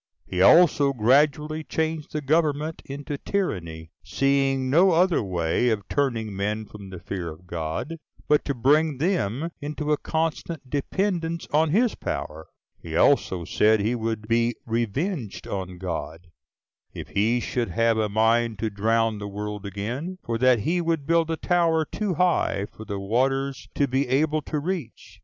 He also gradually changed the government into tyranny, seeing no other way of turning men from the fear of God, but to bring them into a constant dependence on his power. He also said he would be revenged on God, if he should have a mind to drown the world again; for that he would build a tower too high for the waters to be able to reach!